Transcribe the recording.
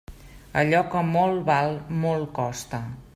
Allò que molt val, molt costa.